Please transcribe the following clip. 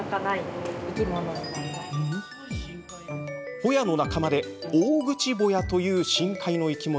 ホヤの仲間で、オオグチボヤという深海の生き物。